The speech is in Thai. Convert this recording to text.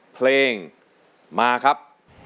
เพลงมาครับ